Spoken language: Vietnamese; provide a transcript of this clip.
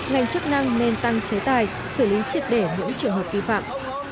ngành chức năng nên tăng chế tài xử lý triệt để những trường hợp vi phạm